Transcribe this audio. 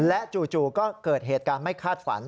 และจู่ก็เกิดเหตุการณ์ไม่คาดฝัน